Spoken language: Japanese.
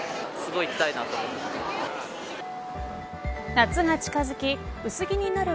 夏が近づき薄着になる